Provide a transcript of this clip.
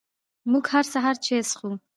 موږ هر سهار چای څښي🥃